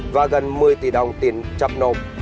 và gần một mươi tỷ đồng tiền chập nộp